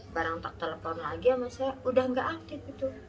barang tak telepon lagi sama saya udah gak aktif